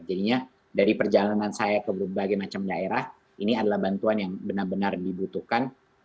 jadi dari perjalanan saya ke berbagai macam daerah ini adalah bantuan yang benar benar dibutuhkan